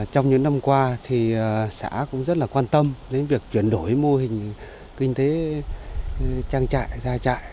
trong những năm qua xã cũng rất quan tâm đến việc chuyển đổi mô hình kinh tế trang trại ra trại